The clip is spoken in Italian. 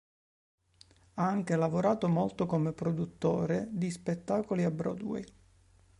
Ha anche lavorato molto come produttore di spettacoli a Broadway.